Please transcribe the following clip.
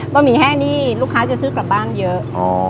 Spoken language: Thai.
หมี่แห้งนี่ลูกค้าจะซื้อกลับบ้านเยอะ